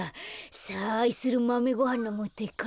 さああいするマメごはんのもとへかえろう。